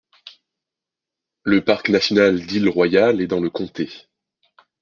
Le parc national d'Isle Royale est dans le comté.